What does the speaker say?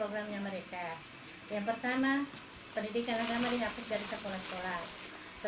terus rencananya mereka itu mengatakan pesantren itu akan menjadi sekolah umum